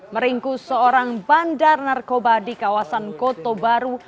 meringkus seorang bandar narkoba di kawasan koto baru